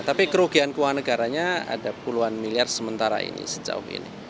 tapi kerugian keuangan negaranya ada puluhan miliar sementara ini sejauh ini